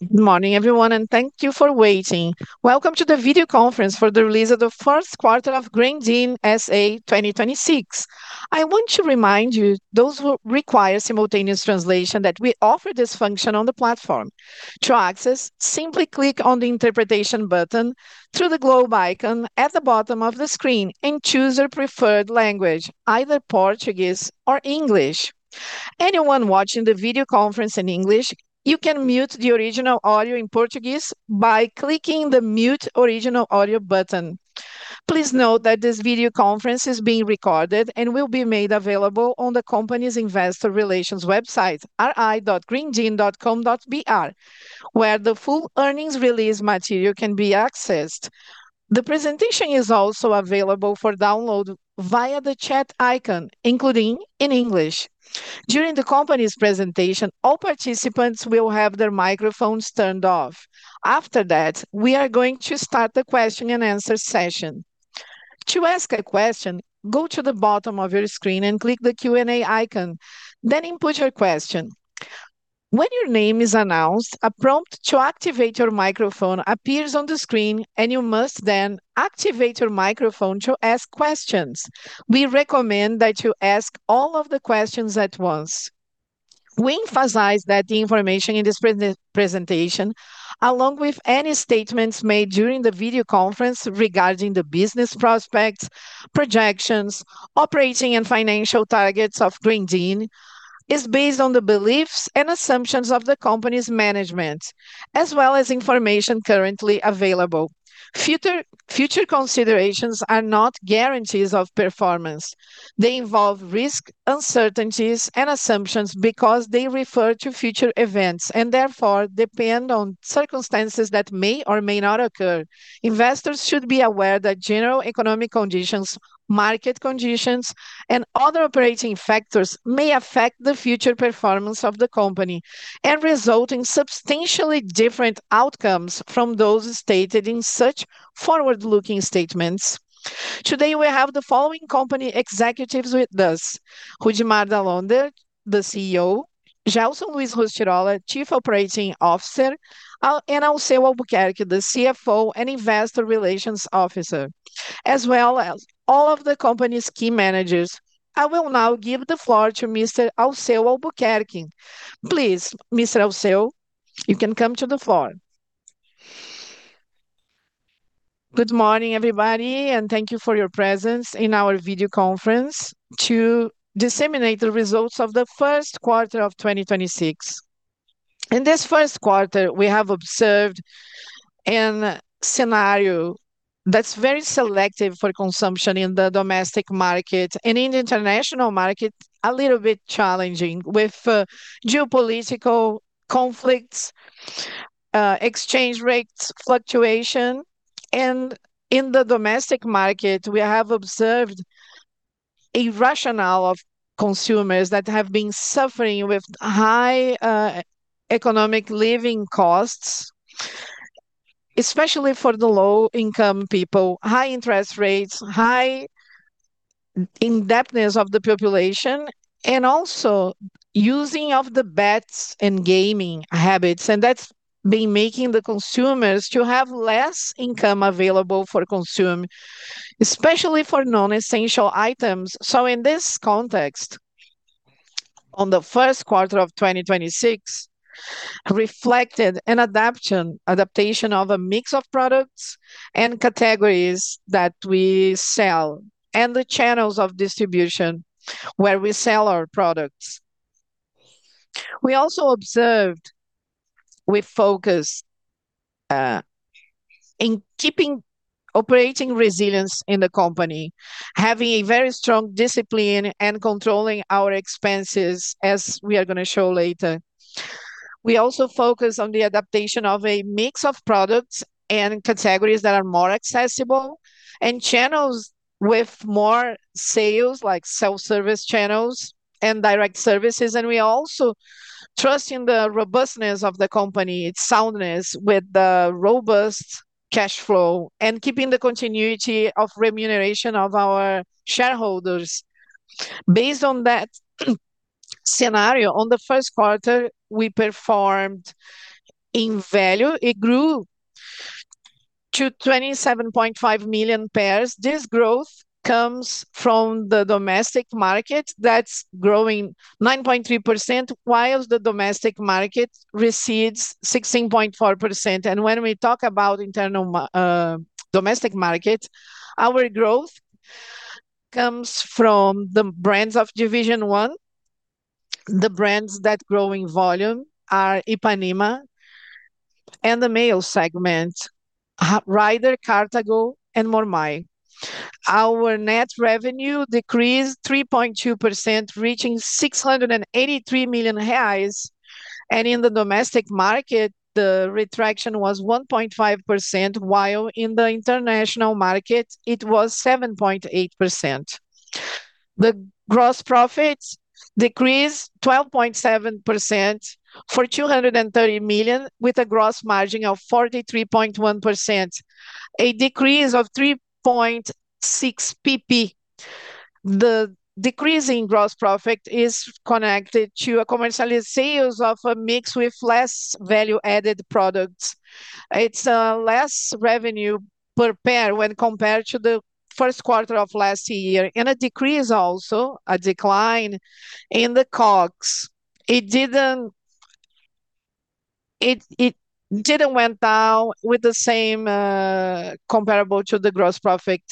Good morning, everyone. Thank you for waiting. Welcome to the video conference for the release of the first quarter of Grendene S.A. 2026. I want to remind you, those who require simultaneous translation, that we offer this function on the platform. To access, simply click on the interpretation button through the globe icon at the bottom of the screen and choose your preferred language, either Portuguese or English. Anyone watching the video conference in English, you can mute the original audio in Portuguese by clicking the Mute Original Audio button. Please note that this video conference is being recorded and will be made available on the company's Investor Relations website, ri.grendene.com.br, where the full earnings release material can be accessed. The presentation is also available for download via the chat icon, including in English. During the company's presentation, all participants will have their microphones turned off. After that, we are going to start the question-and-answer session. To ask a question, go to the bottom of your screen and click the Q&A icon, then input your question. When your name is announced, a prompt to activate your microphone appears on the screen, and you must then activate your microphone to ask questions. We recommend that you ask all of the questions at once. We emphasize that the information in this presentation, along with any statements made during the video conference regarding the business prospects, projections, operating and financial targets of Grendene, is based on the beliefs and assumptions of the company's management, as well as information currently available. Future considerations are not guarantees of performance. They involve risk, uncertainties, and assumptions because they refer to future events, and therefore depend on circumstances that may or may not occur. Investors should be aware that general economic conditions, market conditions, and other operating factors may affect the future performance of the company and result in substantially different outcomes from those stated in such forward-looking statements. Today, we have the following company executives with us: Rudimar Dall'Onder, the CEO, Gelson Luis Rostirolla, Chief Operating Officer, Alceu Albuquerque, the CFO and Investor Relations Officer, as well as all of the company's key managers. I will now give the floor to Mr. Alceu Albuquerque. Please, Mr. Alceu, you can come to the floor. Good morning, everybody, and thank you for your presence in our video conference to disseminate the results of the first quarter of 2026. In this 1st quarter, we have observed an scenario that's very selective for consumption in the domestic market, in the international market, a little bit challenging with geopolitical conflicts, exchange rates fluctuation. In the domestic market, we have observed a rationale of consumers that have been suffering with high economic living costs, especially for the low-income people, high interest rates, high indebtedness of the population, and also using of the bets and gaming habits. That's been making the consumers to have less income available for consume, especially for non-essential items. In this context, on the 1st quarter of 2026, reflected an adaptation of a mix of products and categories that we sell and the channels of distribution where we sell our products. We also observed with focus in keeping operating resilience in the company, having a very strong discipline and controlling our expenses as we are going to show later. We also focus on the adaptation of a mix of products and categories that are more accessible, and channels with more sales, like self-service channels and direct services. We also trust in the robustness of the company, its soundness with the robust cash flow, and keeping the continuity of remuneration of our shareholders. Based on that scenario, on the first quarter, we performed in value. It grew to 27.5 million pairs. This growth comes from the domestic market that's growing 9.3%, whilst the domestic market recedes 16.4%. When we talk about domestic market, our growth comes from the brands of Division 1. The brands that grow in volume are Ipanema, in the male segment, Rider, Cartago, and Mormaii. In the domestic market, our net revenue decreased 3.2%, reaching BRL 683 million, the retraction was 1.5%, while in the international market it was 7.8%. The gross profits decreased 12.7% to 230 million, with a gross margin of 43.1%, a decrease of 3.6 percentage points. The decrease in gross profit is connected to a commercial sales of a mix with less value-added products. It's less revenue per pair when compared to the first quarter of last year. A decrease also, a decline in the COGS. It didn't went down with the same comparable to the gross profit,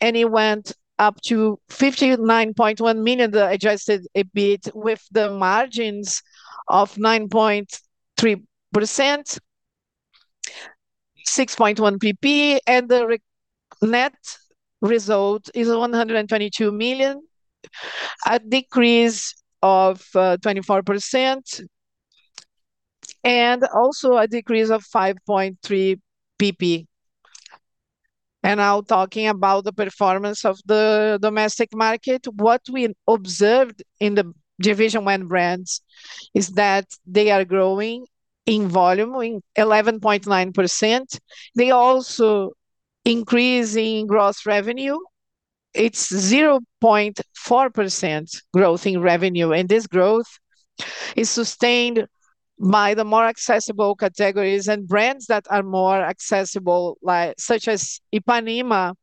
and it went up to 59.1 million, adjusted EBIT with the margins of 9.3%, 6.1 PP, and the net result is 122 million, a decrease of 24%, and also a decrease of 5.3 PP. Now talking about the performance of the domestic market, what we observed in the Division 1 brands is that they are growing in volume in 11.9%. They also increasing gross revenue. It's 0.4% growth in revenue, and this growth is sustained by the more accessible categories and brands that are more accessible, like, such as Ipanema.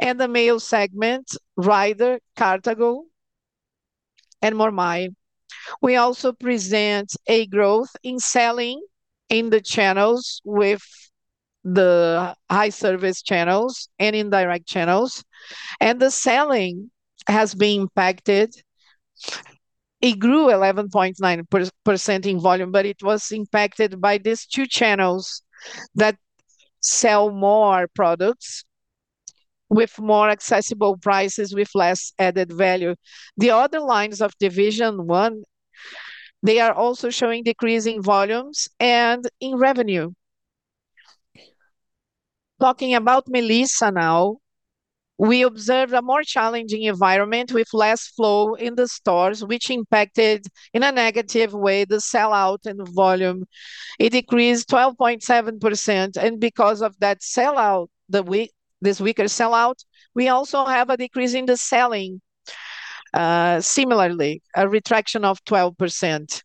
In the male segment, Rider, Cartago, and Mormaii. We also present a growth in selling in the channels with the high service channels and in direct channels, and the selling has been impacted. It grew 11.9% in volume. It was impacted by these two channels that sell more products with more accessible prices with less added value. The other lines of Division 1, they are also showing decrease in volumes and in revenue. Talking about Melissa now, we observed a more challenging environment with less flow in the stores, which impacted in a negative way the sell-out and volume. It decreased 12.7%. Because of that sell-out, this weaker sell-out, we also have a decrease in the selling. Similarly, a retraction of 12%.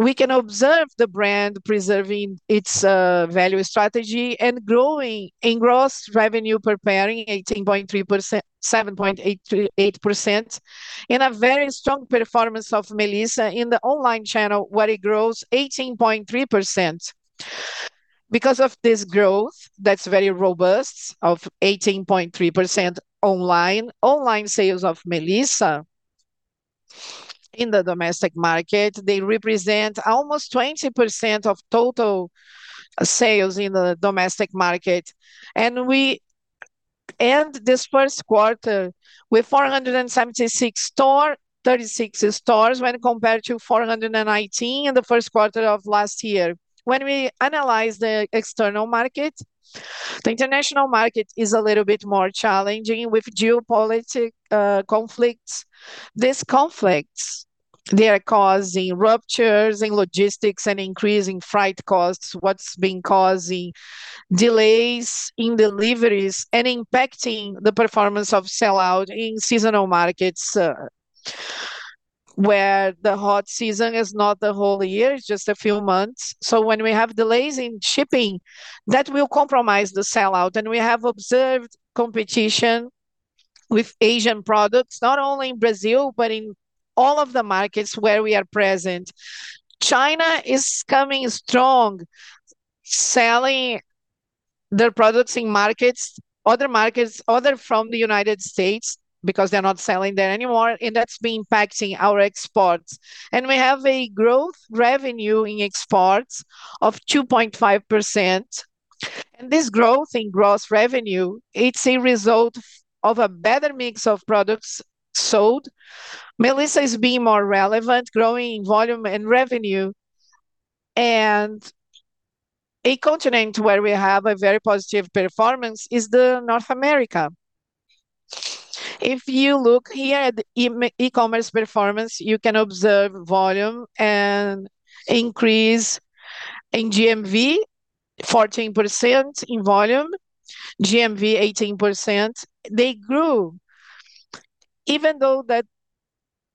We can observe the brand preserving its value strategy and growing in gross revenue per pair in 18.3% 7.8%-8%, in a very strong performance of Melissa in the online channel, where it grows 18.3%. Because of this growth, that is very robust, of 18.3% online sales of Melissa in the domestic market, they represent almost 20% of total sales in the domestic market. We end this first quarter with 476 store, 36 stores when compared to 419 in the first quarter of last year. When we analyze the external market, the international market is a little bit more challenging with geopolitical conflicts. These conflicts, they are causing ruptures in logistics and increasing freight costs, what's been causing delays in deliveries and impacting the performance of sell-out in seasonal markets, where the hot season is not the whole year, it's just a few months. When we have delays in shipping, that will compromise the sell-out, and we have observed competition with Asian products, not only in Brazil, but in all of the markets where we are present. China is coming strong, selling their products in markets, other markets, other from the United States, because they're not selling there anymore, and that's been impacting our exports. We have a gross revenue in exports of 2.5%. This growth in gross revenue, it's a result of a better mix of products sold. Melissa is being more relevant, growing in volume and revenue. A continent where we have a very positive performance is North America. If you look here at e-commerce performance, you can observe volume and increase in GMV 14%, in volume GMV 18%. They grew, even though that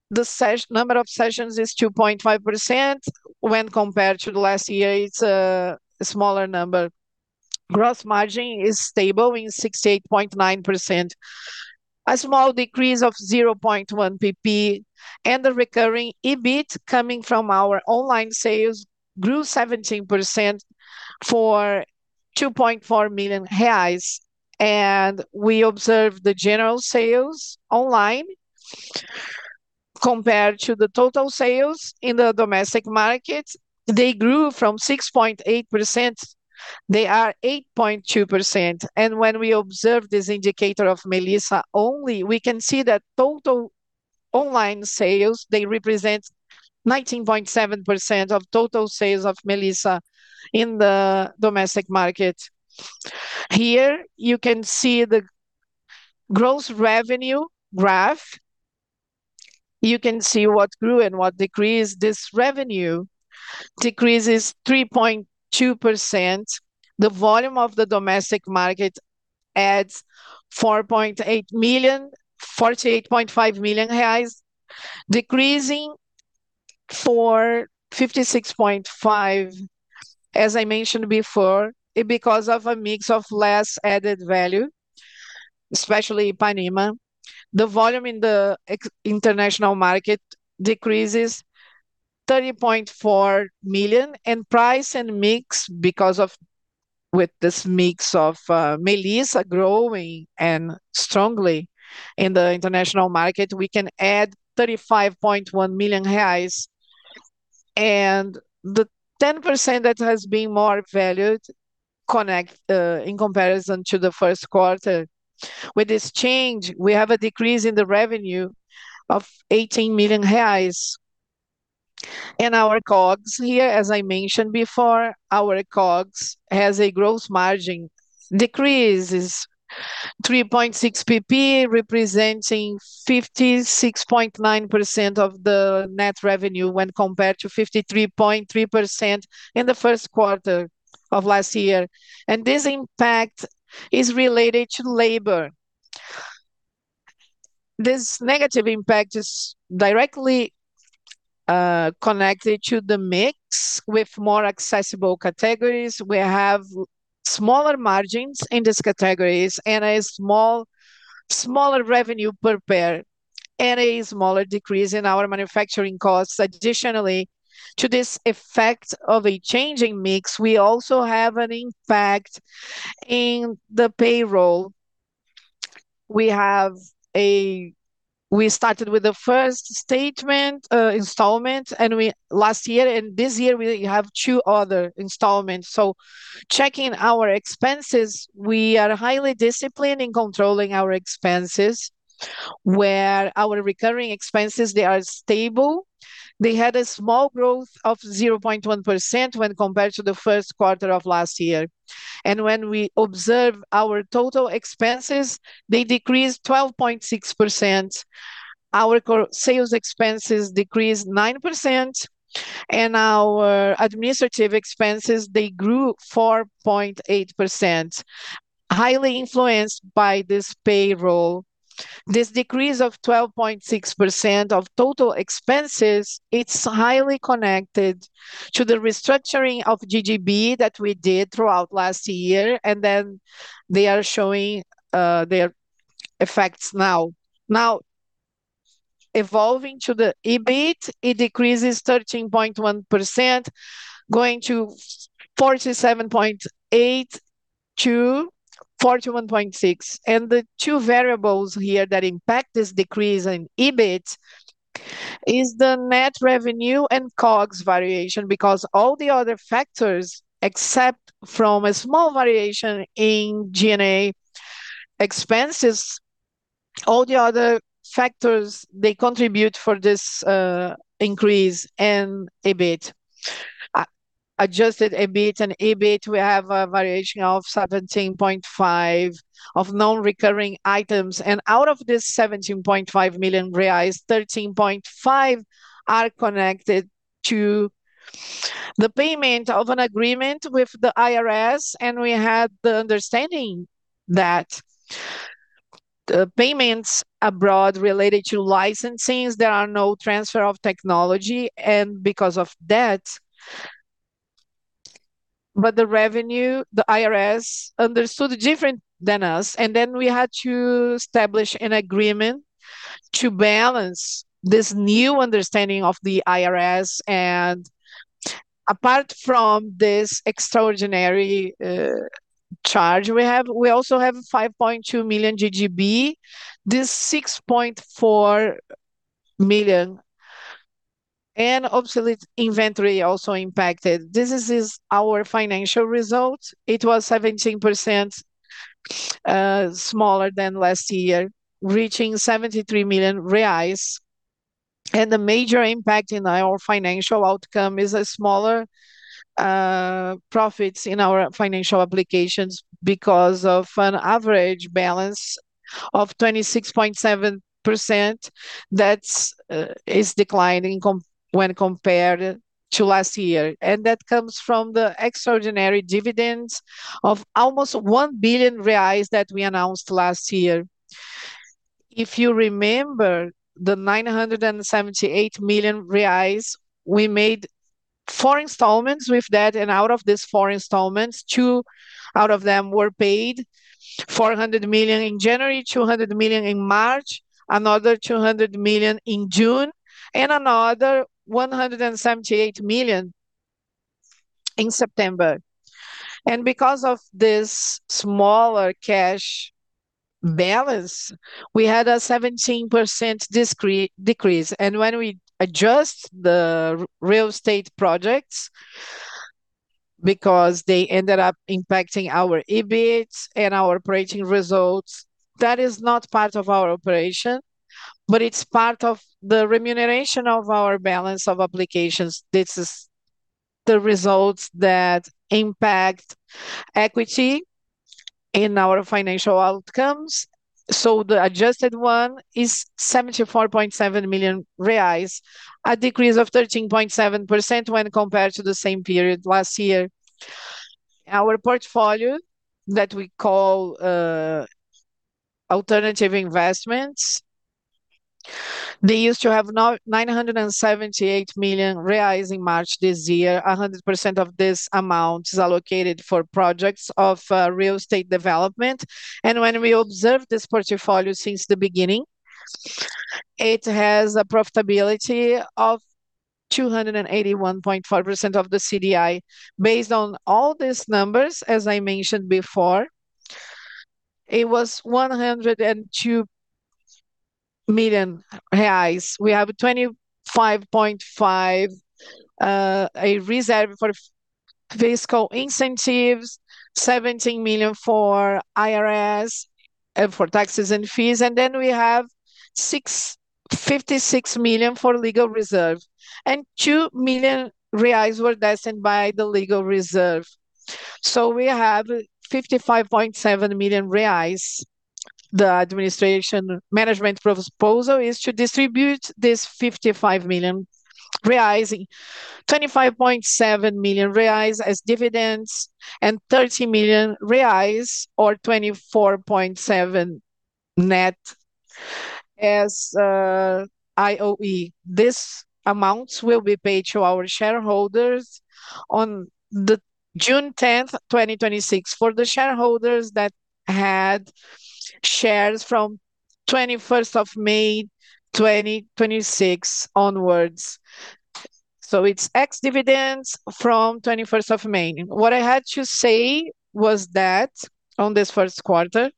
the number of sessions is 2.5% when compared to the last year, it's a smaller number. Gross margin is stable in 68.9%. A small decrease of 0.1 PP. The recurring EBIT coming from our online sales grew 17% for 2.4 million reais. We observed the general sales online compared to the total sales in the domestic market. They grew from 6.8%. They are 8.2%. When we observe this indicator of Melissa only, we can see that total online sales, they represent 19.7% of total sales of Melissa in the domestic market. Here you can see the gross revenue graph. You can see what grew and what decreased. This revenue decreases 3.2%. The volume of the domestic market adds 4.8 million, 48.5 million reais, decreasing for 56.5 million. As I mentioned before, it because of a mix of less added value, especially Ipanema. The volume in the international market decreases 30.4 million. Price and mix because of this mix of Melissa growing and strongly in the international market, we can add 35.1 million reais. The 10% that has been more valued connect, in comparison to the first quarter. With this change, we have a decrease in the revenue of 18 million reais. Our COGS here, as I mentioned before, our COGS has a gross margin decreases 3.6 PP, representing 56.9% of the net revenue when compared to 53.3% in the first quarter of last year, and this impact is related to labor. This negative impact is directly connected to the mix with more accessible categories. We have smaller margins in these categories and a smaller revenue per pair, and a smaller decrease in our manufacturing costs. Additionally to this effect of a changing mix, we also have an impact in the payroll. We started with the first statement installment last year. This year we have 2 other installments. Checking our expenses, we are highly disciplined in controlling our expenses, where our recurring expenses, they are stable. They had a small growth of 0.1% when compared to the first quarter of last year. When we observe our total expenses, they decreased 12.6%. Our COGS expenses decreased 9%, and our administrative expenses, they grew 4.8%, highly influenced by this payroll. This decrease of 12.6% of total expenses, it's highly connected to the restructuring of GGB that we did throughout last year, and then they are showing their effects now. Evolving to the EBIT, it decreases 13.1%, going to 47.8 to 41.6. The two variables here that impact this decrease in EBIT is the net revenue and COGS variation, because all the other factors, except from a small variation in G&A expenses, all the other factors, they contribute for this increase in EBIT. Adjusted EBIT and EBIT, we have a variation of 17.5 of non-recurring items. Out of this 17.5 million reais, 13.5 are connected to the payment of an agreement with the Receita Federal. We had the understanding that the payments abroad related to licensings, there are no transfer of technology and because of that. The revenue, the Receita Federal understood different than us, we had to establish an agreement to balance this new understanding of the Receita Federal. Apart from this extraordinary charge we have, we also have 5.2 million GGB. This 6.4 million and obsolete inventory also impacted. This is our financial result. It was 17% smaller than last year, reaching 73 million reais. The major impact in our financial outcome is a smaller profits in our financial applications because of an average balance of 26.7%. That's declining when compared to last year. That comes from the extraordinary dividends of almost 1 billion reais that we announced last year. If you remember the 978 million reais, we made four installments with that. Out of these four installments, two out of them were paid 400 million in January, 200 million in March, another 200 million in June, and another 178 million in September. Because of this smaller cash balance, we had a 17% decrease. When we adjust the real estate projects, because they ended up impacting our EBIT and our operating results, that is not part of our operation, but it's part of the remuneration of our balance of applications. The results that impact equity in our financial outcomes. The adjusted one is 74.7 million reais, a decrease of 13.7% when compared to the same period last year. Our portfolio that we call alternative investments, they used to have now 978 million reais in March this year. 100% of this amount is allocated for projects of real estate development. When we observe this portfolio since the beginning, it has a profitability of 281.4% of the CDI. Based on all these numbers, as I mentioned before, it was 102 million reais. We have 25.5 million, a reserve for fiscal incentives, 17 million for Receita Federal, for taxes and fees, 56 million for legal reserve, and 2 million reais were destined by the legal reserve. We have 55.7 million reais. The administration management proposal is to distribute this 55 million reais, 25.7 million reais as dividends, and 30 million reais or 24.7 net as JCP. These amounts will be paid to our shareholders on the June 10th, 2026, for the shareholders that had shares from 21st of May, 2026 onwards. It's ex-dividends from 21st of May. What I had to say was that on this first quarter.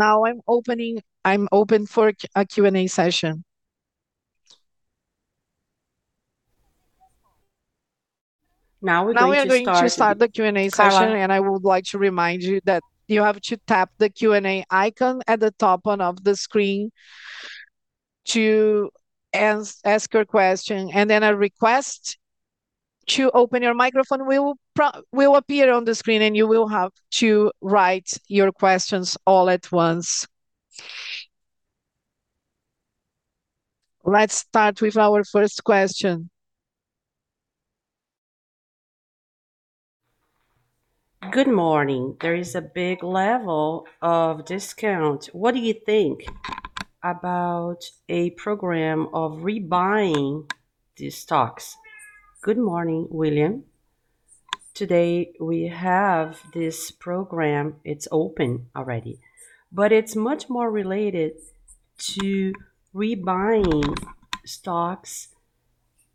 I'm open for a Q&A session. Now we're going to start. Now we are going to start the Q&A session. Carla I would like to remind you that you have to tap the Q&A icon at the top end of the screen to ask your question. A request to open your microphone will appear on the screen, and you will have to write your questions all at once. Let's start with our first question. Good morning. There is a big level of discount. What do you think about a program of rebuying these stocks? Good morning, William. It's much more related to rebuying stocks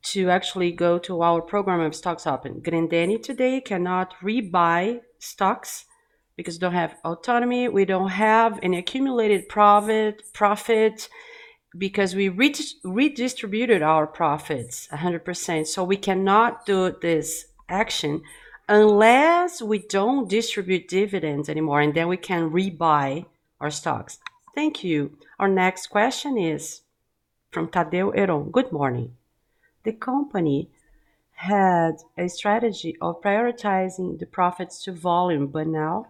to actually go to our program of stocks open. Grendene today cannot rebuy stocks because we don't have autonomy, we don't have any accumulated profit, because we redistributed our profits 100%. We cannot do this action unless we don't distribute dividends anymore, and then we can rebuy our stocks. Thank you. Our next question is from Taddeo Eron. Good morning. The company had a strategy of prioritizing the profits to volume, but now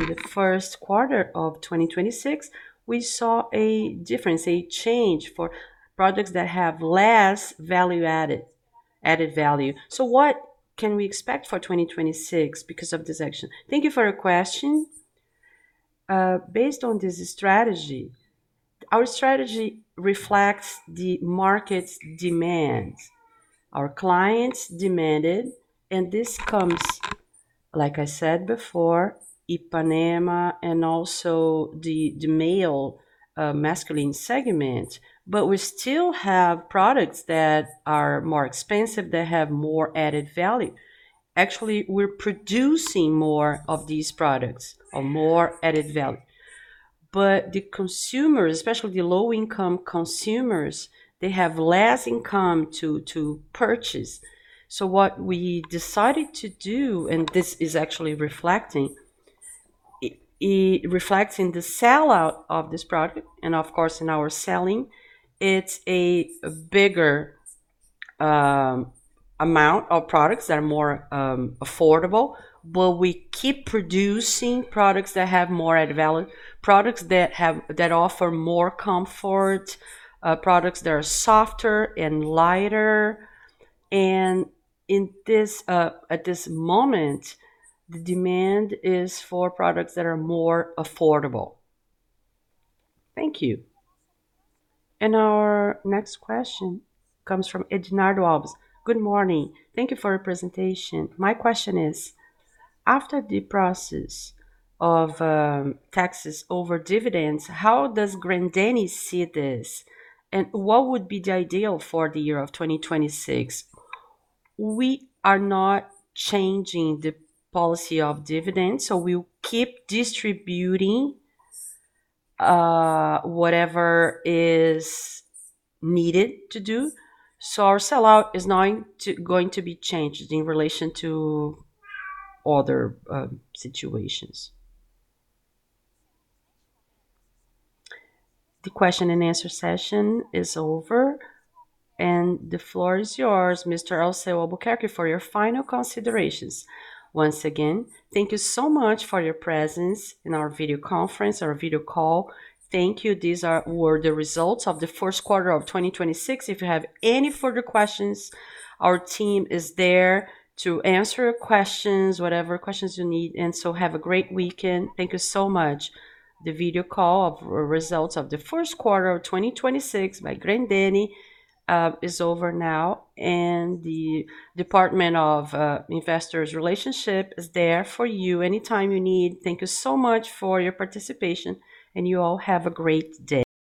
in the first quarter of 2026, we saw a difference, a change for products that have less value added value. What can we expect for 2026 because of this action? Thank you for your question. Based on this strategy, our strategy reflects the market's demand. Our clients demanded, and this comes, like I said before, Ipanema and also the male, masculine segment. We still have products that are more expensive, that have more added value. Actually, we're producing more of these products of more added value. The consumer, especially the low-income consumers, they have less income to purchase. What we decided to do, and this is actually reflecting, it reflects in the sell-out of this product and, of course, in our selling. It's a bigger amount of products that are more affordable, but we keep producing products that have more added value, products that offer more comfort, products that are softer and lighter. In this, at this moment, the demand is for products that are more affordable. Thank you. Our next question comes from Eduardo Alves. Good morning. Thank you for your presentation. My question is, after the process of taxes over dividends, how does Grendene see this, and what would be the ideal for the year of 2026? We are not changing the policy of dividends, so we'll keep distributing whatever is needed to do. Our sell-out is not going to be changed in relation to other situations. The question-and-answer session is over, and the floor is yours, Mr. Alceu Albuquerque, for your final considerations. Once again, thank you so much for your presence in our video conference, our video call. Thank you. These were the results of the first quarter of 2026. If you have any further questions, our team is there to answer your questions, whatever questions you need. Have a great weekend. Thank you so much. The video call of results of the 1st quarter of 2026 by Grendene is over now, and the department of Investor Relations is there for you anytime you need. Thank you so much for your participation, and you all have a great day.